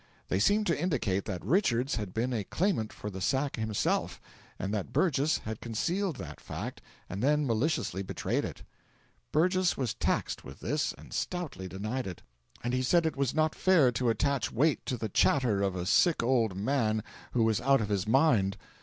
They seemed to indicate that Richards had been a claimant for the sack himself, and that Burgess had concealed that fact and then maliciously betrayed it. Burgess was taxed with this and stoutly denied it. And he said it was not fair to attach weight to the chatter of a sick old man who was out of his mind.